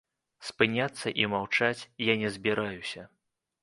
Спыняцца і маўчаць я не збіраюся.